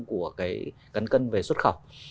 của cái cán cân về xuất khẩu